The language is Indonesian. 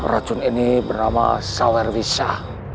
racun ini bernama sawerwisa